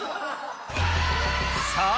さあ